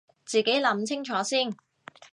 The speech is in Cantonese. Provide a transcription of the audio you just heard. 自己諗清楚先